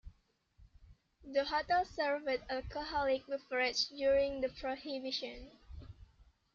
The hotel served alcoholic beverages during the Prohibition.